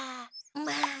まあ。